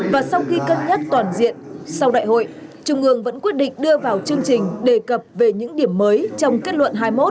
và sau khi cân nhắc toàn diện sau đại hội trung ương vẫn quyết định đưa vào chương trình đề cập về những điểm mới trong kết luận hai mươi một